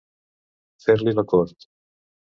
Fer-li la cort.